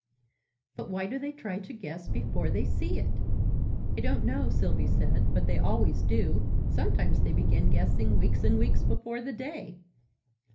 "But why do they try to guess it before they see it?" "I don't know," Sylvie said: "but they always do. Sometimes they begin guessing weeks and weeks before the day!"